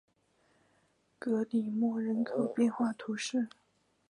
格里莫人口变化图示